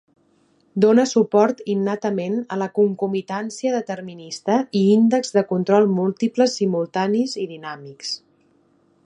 Dona suport innatament a la concomitància determinista i índexs de control múltiples, simultanis i dinàmics.